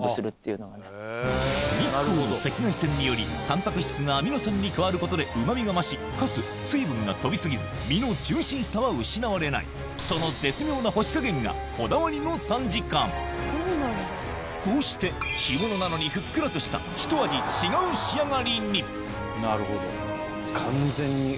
日光の赤外線によりタンパク質がアミノ酸に変わることでうま味が増しかつ水分が飛び過ぎず身のジューシーさは失われないそのこうして干物なのにふっくらとしたひと味違う仕上がりに！